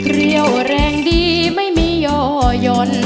เรียวแรงดีไม่มีโยยน